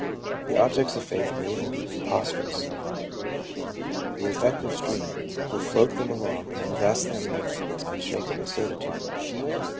The objects of Faith may even be preposterous; the affective stream will float them along and invest them with its unshakable certitude.